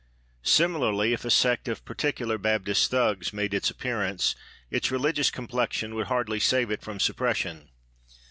Similarly, if a sect of Particular Baptist Thugs made its appearance, its religious complexion would hardly save it from suppression.